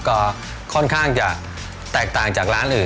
ก็ค่อนข้างจะแตกต่างจากร้านอื่น